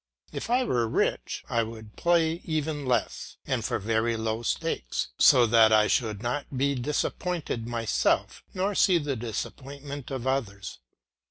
If I were rich I would play even less, and for very low stakes, so that I should not be disappointed myself, nor see the disappointment of others.